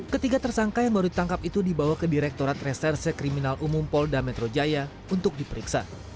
ketiga tersangka yang baru ditangkap itu dibawa ke direktorat reserse kriminal umum polda metro jaya untuk diperiksa